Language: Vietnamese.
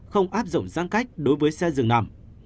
không áp dụng giãn cách đối với xe dường nằm